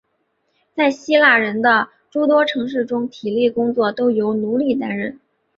在希腊人的诸多城市中体力工作都由奴隶担任。